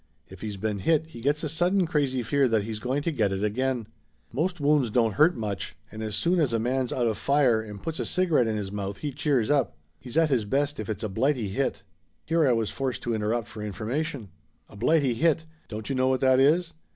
If he's been hit he gets a sudden crazy fear that he's going to get it again. Most wounds don't hurt much, and as soon as a man's out of fire and puts a cigarette in his mouth he cheers up. He's at his best if it's a blighty hit." Here I was forced to interrupt for information. "A blighty hit! Don't you know what that is?